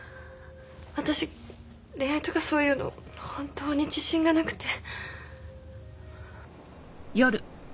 私恋愛とかそういうの本当に自信がなくて。